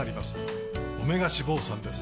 オメガ脂肪酸です